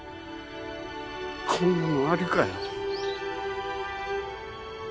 こんなのありかよ。